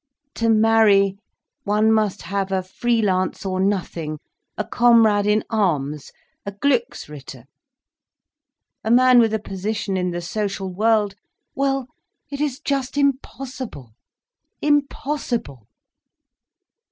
To marry, one must have a free lance, or nothing, a comrade in arms, a Glücksritter. A man with a position in the social world—well, it is just impossible, impossible!"